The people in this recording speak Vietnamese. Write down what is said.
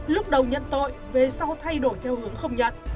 lúc đầu nhận tội về sau thay đổi theo hướng không nhận